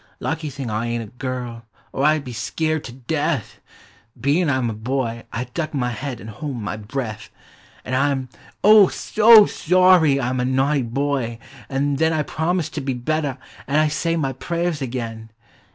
Lucky thing I ain't a girl, or I 'd be skeered to death! Ilein' 1 'm a boy, I duck my head an' hold my breath ; An' I am, oh! .so sorry I 'm a naughty boy, an' then I promise to be better an' I say my prayers again